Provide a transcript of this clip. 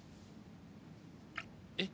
えっ？